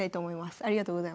ありがとうございます。